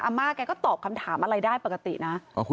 ม่าแกก็ตอบคำถามอะไรได้ปกตินะ